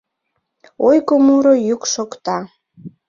Ойго муро йӱк шокта: